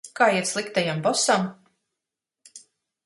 Kā iet sliktajam bosam?